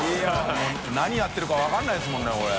やってるか分からないですもんねこれ。